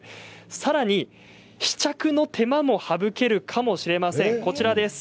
さらに試着の手間も省けるかもしれません。